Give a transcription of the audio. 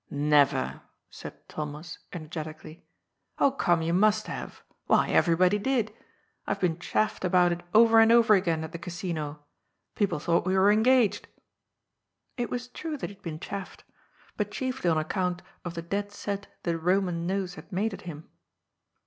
" Never," said Thomas energetically. " Oh, come, you must have. Why, everybody did. I've been chaffed about it over and over again at the Casino. People thought we were engaged." It was true that he had been chaffed, but chiefly on ac count of the dead set the Boman nose had made at him.